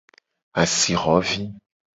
Asixo vi.